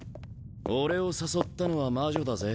俺を誘ったのは魔女だぜ。